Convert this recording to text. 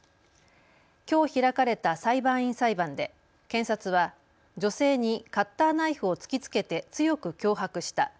きょう開かれた裁判員裁判で検察は、女性にカッターナイフを突きつけて強く脅迫した。